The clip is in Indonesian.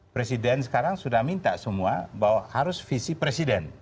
presiden sekarang sudah minta semua bahwa harus visi presiden